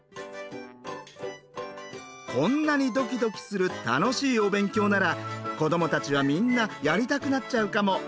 こんなにドキドキする楽しいお勉強なら子どもたちはみんなやりたくなっちゃうかも。